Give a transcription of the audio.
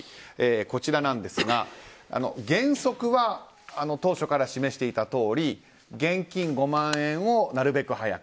こちらなんですが原則は当初から示していたとおり現金５万円をなるべく早く。